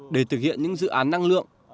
để thực hiện những dự án năng lượng